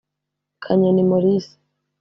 Kanyoni Maurice